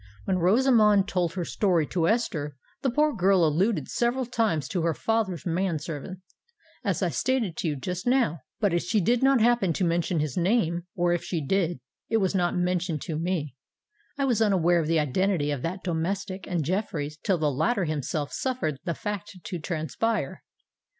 When Rosamond told her story to Esther, the poor girl alluded several times to her father's man servant, as I stated to you just now; but as she did not happen to mention his name—or if she did, it was not mentioned to me—I was unaware of the identity of that domestic and Jeffreys till the latter himself suffered the fact to transpire.